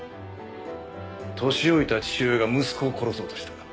年老いた父親が息子を殺そうとした。